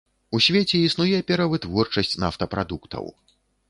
У свеце існуе перавытворчасць нафтапрадуктаў.